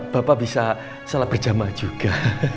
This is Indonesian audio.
bapak bisa sholat berjamaah juga